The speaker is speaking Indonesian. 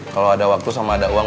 kalau ada waktu sama ada uang